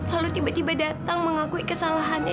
lalu tiba tiba datang mengakui kesalahannya